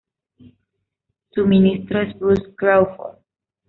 Su ministro es Bruce Crawford.